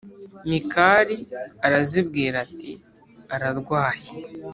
Mikali arazibwira ati “Ararwaye.”